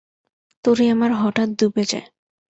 তরী আমার হঠাৎ ডুবে যায়।